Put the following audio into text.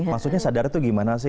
maksudnya sadar itu gimana sih